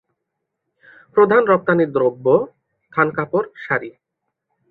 প্রধান রপ্তানিদ্রব্য থান কাপড়, শাড়ি।